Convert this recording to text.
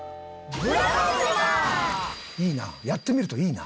いいなあ。